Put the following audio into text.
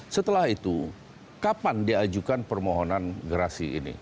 setelah itu kapan diajukan permohonan gerasi ini